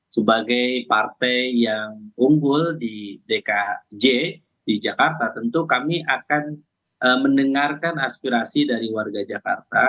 sebagai partai yang unggul di dkij di jakarta tentu kami akan mendengarkan aspirasi dari warga jakarta